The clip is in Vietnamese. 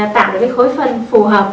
tạo được cái khối phân phù hợp